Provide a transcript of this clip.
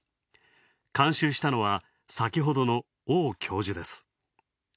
監修したのは先ほどの王教授です。